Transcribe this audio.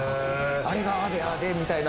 あれがああでみたいな。